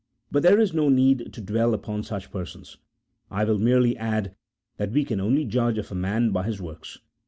But there is no need to dwell upon such persons. I will merely add that we can only judge of a man by his works.